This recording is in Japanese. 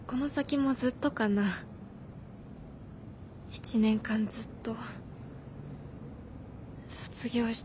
１年間ずっと卒業してもずっと。